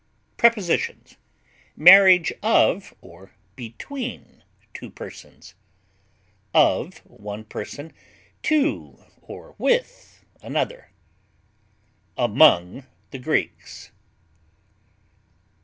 Prepositions: Marriage of or between two persons; of one person to or with another; among the Greeks.